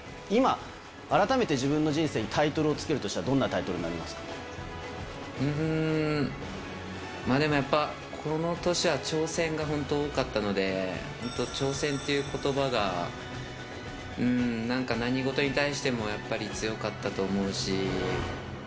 今、改めて自分の人生にタイトルをつけるとしたら、どんなタイトルにうーん、でもやっぱ、この年は挑戦が本当、多かったので、本当挑戦っていうことばが、なんか何事に対してもやっぱり強かったと思うし。